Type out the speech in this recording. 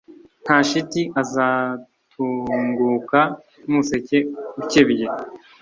nta shiti, azatunguka nk’umuseke ukebye,